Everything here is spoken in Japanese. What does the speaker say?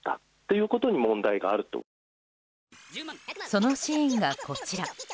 そのシーンがこちら。